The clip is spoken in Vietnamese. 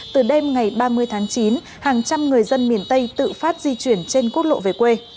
từ đêm ngày ba mươi tháng chín hàng trăm người dân miền tây tự phát di chuyển trên quốc lộ về quê